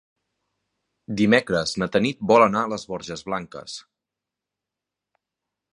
Dimecres na Tanit vol anar a les Borges Blanques.